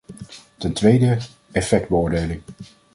Ten tweede: effectbeoordeling.